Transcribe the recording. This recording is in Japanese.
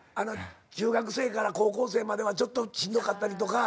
中学生から高校生まではちょっとしんどかったりとか。